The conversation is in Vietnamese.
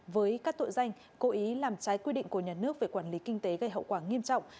với các tội danh cố ý làm trái quy định của nhà nước về quản lý kinh tế gây hậu quả nghiêm trọng